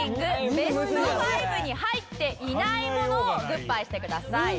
ベスト５に入っていないものをグッバイしてください。